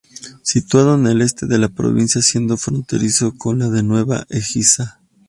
Situado en el este de la provincia siendo fronterizo con la de Nueva Écija.